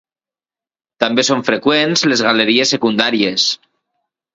També són freqüents les galeries secundàries.